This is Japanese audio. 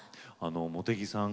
茂木さん